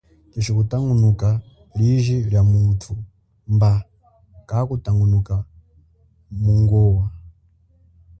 Keshi kutangunuka liji lia muthu, mba kakutangunuka mungowa.